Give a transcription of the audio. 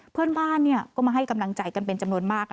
เพื่อนบ้านก็มาให้กำลังใจกันเป็นจำนวนมาก